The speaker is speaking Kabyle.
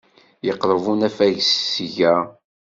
Yeqreb unafag seg-a.